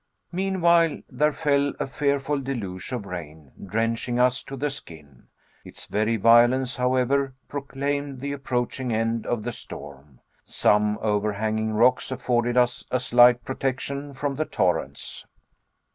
Meanwhile, there fell a fearful deluge of rain, drenching us to the skin. Its very violence, however, proclaimed the approaching end of the storm. Some overhanging rocks afforded us a slight protection from the torrents.